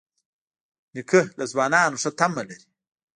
نیکه له ځوانانو ښه تمه لري.